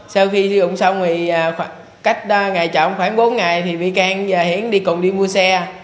sau khi sử dụng xong cách ngày trộm khoảng bốn ngày thì vy cang và hiển đi cùng đi mua xe